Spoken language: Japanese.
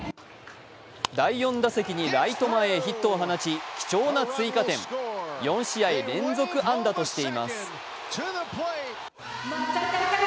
第４打席にライト前へヒットを放ち貴重な追加点４試合連続安打としています。